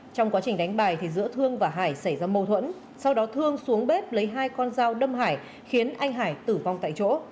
trong quá trình đánh bài giữa thương và hải xảy ra mâu thuẫn sau đó thương xuống bếp lấy hai con dao đâm hải khiến anh hải tử vong tại chỗ